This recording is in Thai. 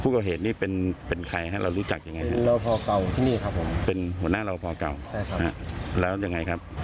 ก็ได้ยินเสียงปืนนัดแรกใช่มั้ยครับ